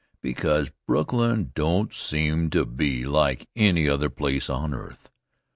Because Brooklyn don't seem to be like any other place on earth.